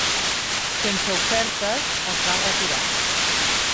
Sense ofertes, es va retirar.